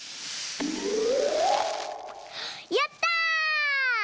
やった！